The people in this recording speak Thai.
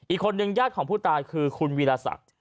อีกคนหนึ่งย่าของผู้ตายคือคุณวิราษัท